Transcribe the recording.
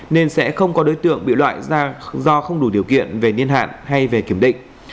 nên sẽ không có đối tượng bị loại ra do không đủ điều kiện về niên hạn hay về kiểm định